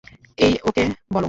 এই, ওকে বল।